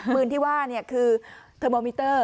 ปืนที่ว่าคือเทอร์โมมิเตอร์